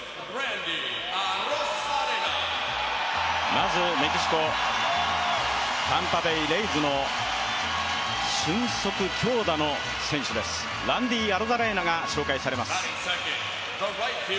まず、メキシコタンパベイ・レイズの俊足強打の選手、ランディ・アロザレーナが紹介されます。